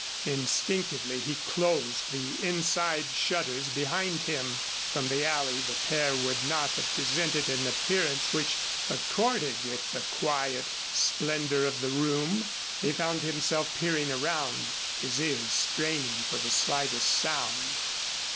Instinctively he closed the inside shutters behind him. From the alley the pair would not have presented an appearance which accorded with the quiet splendor of the room. He found himself peering around, his ears straining for the slightest sound.